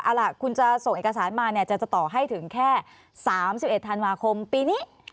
เอาล่ะคุณจะส่งเอกสารมาเนี่ยจะต่อให้ถึงแค่๓๑ธันวาคมปีนี้